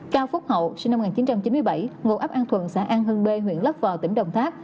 cao phúc hậu sinh năm một nghìn chín trăm chín mươi bảy ngụ ấp an thuận xã an hưng bê huyện lấp vò tỉnh đồng tháp